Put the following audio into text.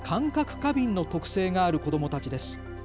過敏の特性がある子どもたちです。